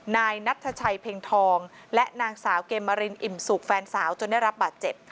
นายนัทชัยเพ็งทองและนางสาวเกมมารินอิ่มสุกแฟนสาวจนได้รับบาดเจ็บ